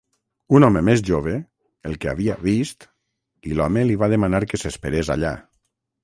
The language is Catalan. Un home més jove, el que havia vist, i l'home li va demanar que s'esperés allà.